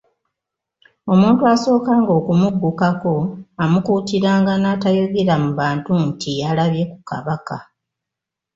Omuntu asookanga okumuggukako, amukuutiranga n'atayogera mu bantu nti yalabye ku kabaka.